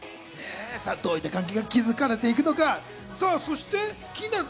どういった関係が築かれていくのか、そして気になる